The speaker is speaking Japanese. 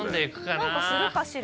何かするかしら？